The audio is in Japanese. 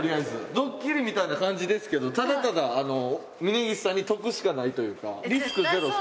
ドッキリみたいな感じですけどただただ峯岸さんに得しかないというかリスク０です。